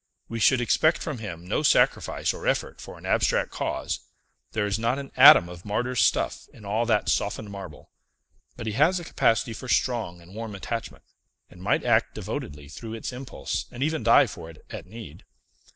We should expect from him no sacrifice or effort for an abstract cause; there is not an atom of martyr's stuff in all that softened marble; but he has a capacity for strong and warm attachment, and might act devotedly through its impulse, and even die for it at need.